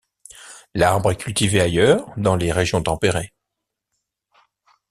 L'arbre est cultivé ailleurs dans les régions tempérées.